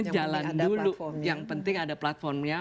jalan dulu yang penting ada platformnya